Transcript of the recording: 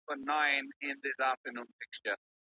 هغه خلګ چي د بریا تنده لري تل نوي لاري پیدا کوي.